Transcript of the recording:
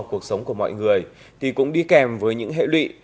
cuộc sống của mọi người thì cũng đi kèm với những hệ lụy